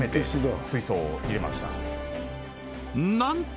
なんと！